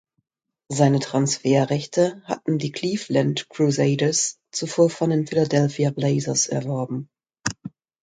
Seine Transferrechte hatten die Cleveland Crusaders zuvor von den Philadelphia Blazers erworben.